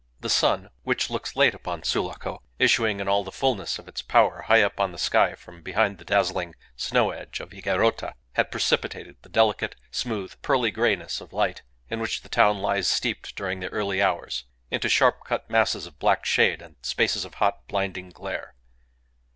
The sun, which looks late upon Sulaco, issuing in all the fulness of its power high up on the sky from behind the dazzling snow edge of Higuerota, had precipitated the delicate, smooth, pearly greyness of light, in which the town lies steeped during the early hours, into sharp cut masses of black shade and spaces of hot, blinding glare.